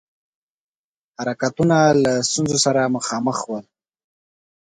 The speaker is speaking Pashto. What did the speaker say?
حرکتونه له ستونزو سره مخامخ ول.